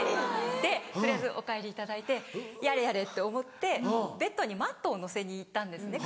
で取りあえずお帰りいただいてやれやれって思ってベッドにマットを載せに行ったんですね